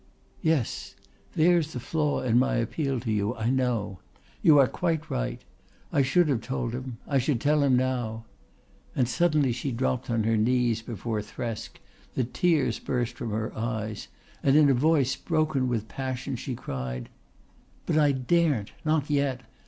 "Yes. There's the flaw in my appeal to you, I know. You are quite right. I should have told him. I should tell him now," and suddenly she dropped on her knees before Thresk, the tears burst from her eyes, and in a voice broken with passion she cried: "But I daren't not yet.